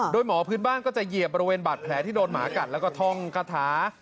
โดยหมอพื้นบ้านก็จะเหยียบบริเวณบาดแผลที่โดนหมากัดแล้วก็ท่องคาถา